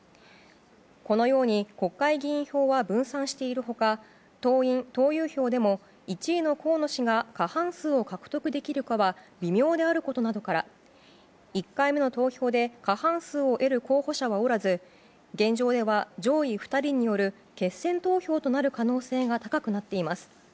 このように国会議員票は分散している他党員・党友票でも１位の河野氏が過半数を獲得できるかは微妙であることなどから１回目の投票で過半数を得る候補者はおらず現状では、上位２人による決選投票となる可能性が高くなっています。